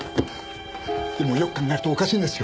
でもよく考えるとおかしいんですよ。